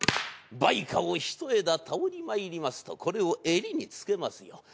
梅花をひと枝手折りまいりますとこれを襟につけますよ。